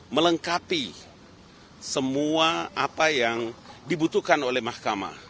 melengkapi semua apa yang dibutuhkan oleh mahkamah